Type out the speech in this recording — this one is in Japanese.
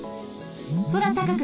そらたかく